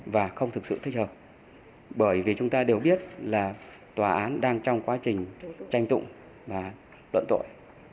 và không thực sự thích hợp bởi vì chúng ta đều biết là tòa án đang trong quá trình tranh tụng và luận tội